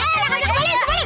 eh kembalin kembaliin